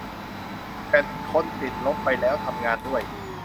แบตคนติดลบไปแล้ว ทำงานด้วย